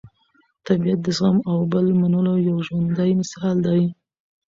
طبیعت د زغم او بل منلو یو ژوندی مثال دی.